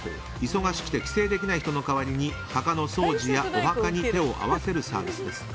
忙しくて帰省できない人の代わりに墓のお掃除やお墓に手を合わせるサービスです。